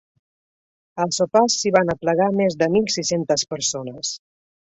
Al sopar s’hi van aplegar més de mil sis-centes persones.